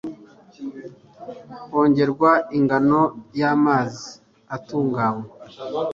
hongerwa ingano y amazi atunganywa